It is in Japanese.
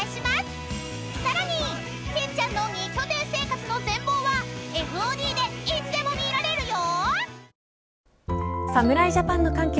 ［さらにケンちゃんの二拠点生活の全貌はＦＯＤでいつでも見られるよ］